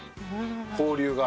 交流が。